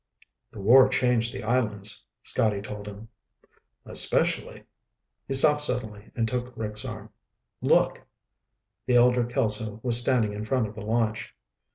"The war changed the islands," Scotty told him. "Especially...." he stopped suddenly and took Rick's arm. "Look." The elder Kelso was standing in front of the launch.